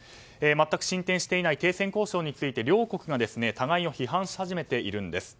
全く進展していない停戦交渉について両国が互いを批判し始めているんです。